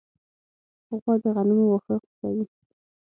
غوا د غنمو واښه خوښوي.